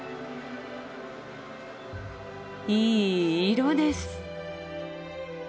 いい色です。